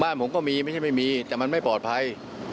ผมก็มีไม่ใช่ไม่มีแต่มันไม่ปลอดภัย